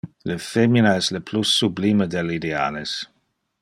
Le femina es le plus sublime del ideales.